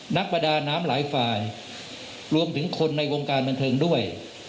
นักประดาน้ำหลายฝ่ายรวมถึงคนในวงการบันเทิงด้วย